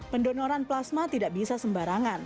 pendonoran plasma tidak bisa sembarangan